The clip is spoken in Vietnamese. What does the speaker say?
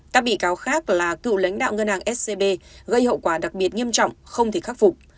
các bị cáo khác là cựu lãnh đạo ngân hàng scb gây hậu quả đặc biệt nghiêm trọng không thể khắc phục